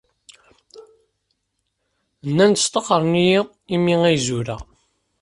Nnan-d staxren-iyi imi ay zureɣ.